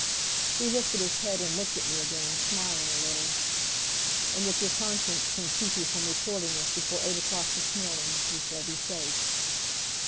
He lifted his head and looked at me again, smiling a little, "And if your conscience can keep you from reporting this before eight o'clock this morning we shall be safe."